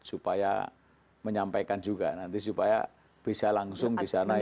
supaya menyampaikan juga nanti supaya bisa langsung disana itu